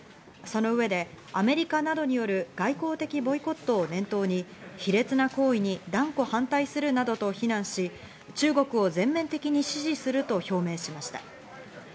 その上でアメリカ等による外交的ボイコットを念頭に卑劣な行為に断固反対するなどと非難し、中国を全面的に支持すると表明しました。